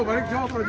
sehingga kan berat